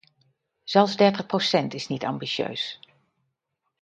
Zelfs dertig procent is niet ambitieus.